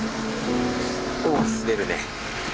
お滑るね。